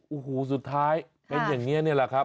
โอ้โหสุดท้ายเป็นอย่างนี้นี่แหละครับ